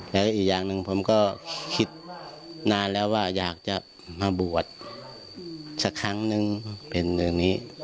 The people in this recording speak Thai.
แล้วอีกอย่างหนึ่งผมก็คิดนานแล้วว่าอยากจะมาบวชสักครั้งนึงเป็นอย่างนี้